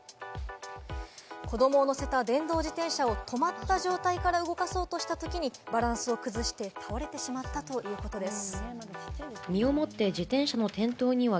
子供を乗せた電動自転車を止まった状態から動かそうとしたときにバランスを崩して倒れてしまったということです。